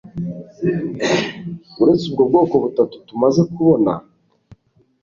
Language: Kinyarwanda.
uretse ubwo bwoko butatu tumaze kubona